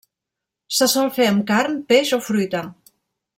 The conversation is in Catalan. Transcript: Se sol fer amb carn, peix o fruita.